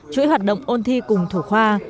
chuỗi hoạt động ôn thi cùng thủ khoa